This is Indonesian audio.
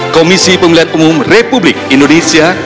komisi pemilihan umum republik indonesia